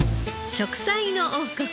『食彩の王国』